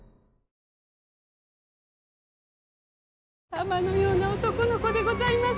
玉のような男の子でございます。